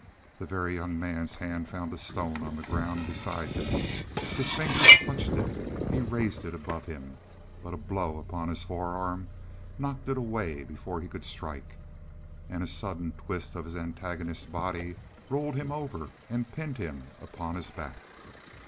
The Very Young Man's hand found a stone on the ground beside them. His fingers clutched it; he raised it above him. But a blow upon his forearm knocked it away before he could strike; and a sudden twist of his antagonist's body rolled him over and pinned him upon his back.